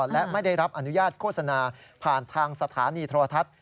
และไม่ได้รับอนุญาตโฆษณาผ่านทางสถานีโทรทัศน์